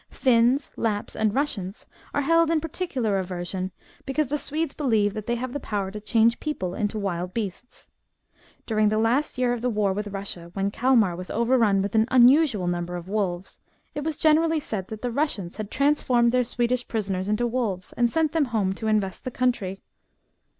Finns, Lapps, and Eussians are held in particular aversion, because the Swedes believe that they have power to change people into wild beasts. During the last year of the war with Russia, when Calmar was overrun with an unusual number of wolves, it was generally said that the Russians had transformed their Swedish prisoners into wolves, and sent them home to invest the country.